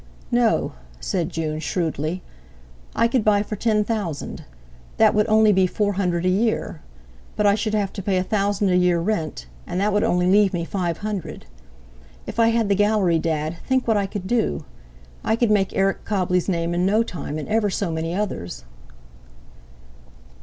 "No," said June shrewdly, "I could buy for ten thousand; that would only be four hundred a year. But I should have to pay a thousand a year rent, and that would only leave me five hundred. If I had the Gallery, Dad, think what I could do. I could make Eric Cobbley's name in no time, and ever so many others."